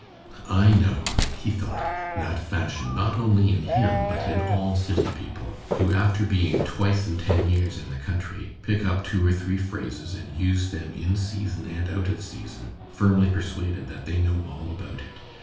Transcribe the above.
"I know," he thought, "that fashion not only in him, but in all city people, who, after being twice in ten years in the country, pick up two or three phrases and use them in season and out of season, firmly persuaded that they know all about it.